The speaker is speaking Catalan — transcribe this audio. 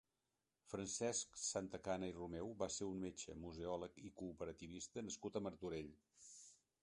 Francesc Santacana i Romeu va ser un metge, museòleg i cooperativista nascut a Martorell.